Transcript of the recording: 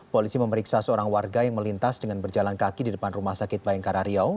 polisi memeriksa seorang warga yang melintas dengan berjalan kaki di depan rumah sakit bayangkara riau